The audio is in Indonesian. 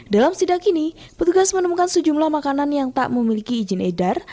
dalam sidak ini petugas menemukan sejumlah makanan yang tak memiliki izin edar